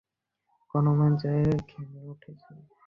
গরমে যে ঘেমে উঠেছিস?